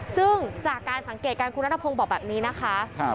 ซึ่งจากการสังเกตการคุณนัทพงศ์บอกแบบนี้นะคะ